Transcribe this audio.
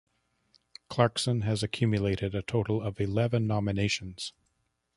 Clarkson has accumulated a total of eleven nominations.